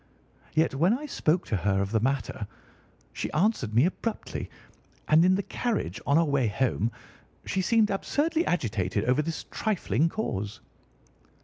Yet when I spoke to her of the matter, she answered me abruptly; and in the carriage, on our way home, she seemed absurdly agitated over this trifling cause."